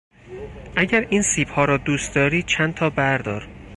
اگر این سیبها را دوست داری چند تا بردار.